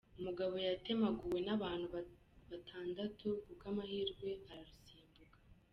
Umugabo Yatemaguwe n’abantu batandatu ku bw’amahirwe ararusimbuka